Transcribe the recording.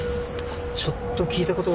ちょっと聞いたことが。